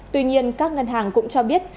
tuy nhiên các ngân hàng cũng cho biết